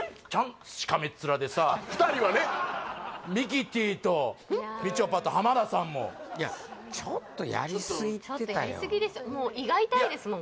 しかめっ面でさ２人はねミキティとみちょぱと浜田さんもいやちょっとやりすぎですよもう胃が痛いですもん